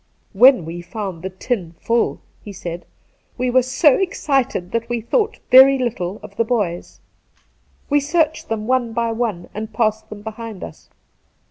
'When we found the tin full,' he said, 'we were so excited that we thought very little of the boys. We searched them one by one and passed them behind us.